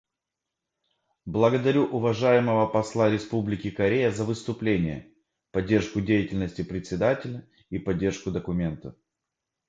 Благодарю уважаемого посла Республики Корея за выступление, поддержку деятельности Председателя и поддержку документа.